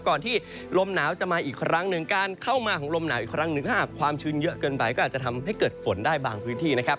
ก่อนที่ลมหนาวจะมาอีกครั้งหนึ่งการเข้ามาของลมหนาวอีกครั้งหนึ่งถ้าหากความชื้นเยอะเกินไปก็อาจจะทำให้เกิดฝนได้บางพื้นที่นะครับ